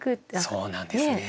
そうなんですね。